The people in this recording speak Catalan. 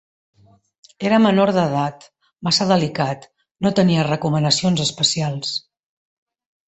Era menor d'edat, massa delicat; no tenia recomanacions especials.